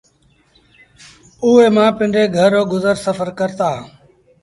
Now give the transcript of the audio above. اُئي مآݩ پنڊري گھر رو گزر سڦر ڪرتآ